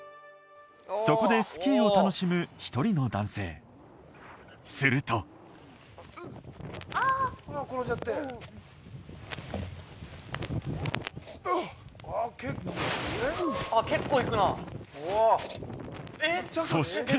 そこでスキーを楽しむ一人の男性するとそして